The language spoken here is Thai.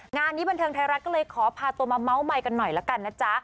งานนี้บันเทิงไทยรัฐก็เลยขอพาตัวมาเมาส์ใหม่กันหน่อยละกันนะจ๊ะ